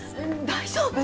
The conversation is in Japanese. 大丈夫？